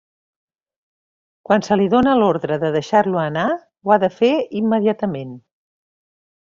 Quan se li dóna l'ordre de deixar-lo anar, ho ha de fer immediatament.